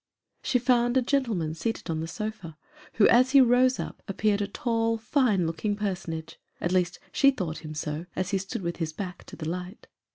She found a gentleman seated on the sofa, who, as he rose up, appeared a tall, fine looking personage ; at least she thought him so, as he stood with his back to the light.